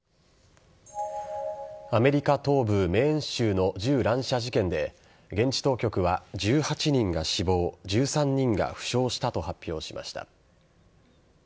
アメリカ東部・メーン州の銃乱射事件で現地当局は１８人が死亡１３人が負傷したと発表しました。